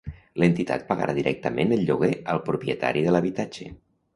L'entitat pagarà directament el lloguer al propietari de l'habitatge.